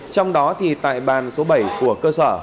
trong đó thì tại bàn số bảy của cơ sở